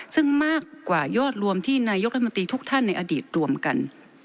ซึ่งมากกว่ายอดรวมที่นายกรัฐมนตรีทุกท่านในอดีตรวมกัน